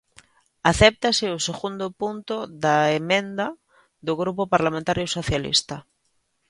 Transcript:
Acéptase o segundo punto da emenda do Grupo Parlamentario Socialista.